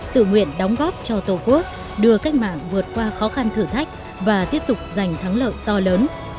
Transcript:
tự nguyện đóng góp cho tổ quốc đưa cách mạng vượt qua khó khăn thử thách và tiếp tục giành thắng lợi to lớn